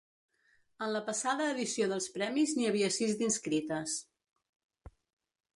En la passada edició dels premis n’hi havia sis d’inscrites.